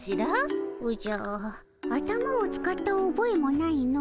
おじゃ頭を使ったおぼえもないの。